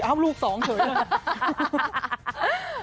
อ้าวลูกสองเถอะ